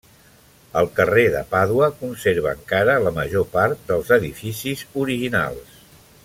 El carrer de Pàdua conserva encara la major part dels edificis originals.